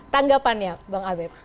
tanggapannya bang ambed